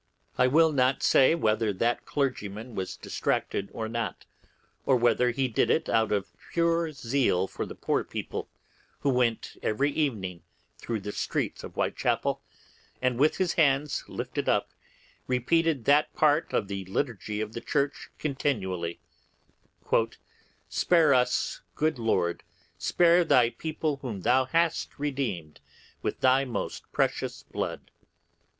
I will not say whether that clergyman was distracted or not, or whether he did it in pure zeal for the poor people, who went every evening through the streets of Whitechappel, and, with his hands lifted up, repeated that part of the Liturgy of the Church continually, 'Spare us, good Lord; spare Thy people, whom Thou has redeemed with Thy most precious blood.